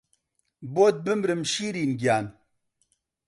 بۆت بمرم شیرین گیان